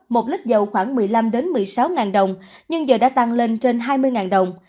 một lít dầu khoảng một mươi năm một mươi sáu đồng nhưng giờ đã tăng lên trên hai mươi đồng